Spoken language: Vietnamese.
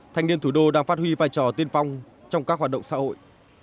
thanh niên thủ đô đang phát huy vai trò tiên phong trong các hoạt động xã hội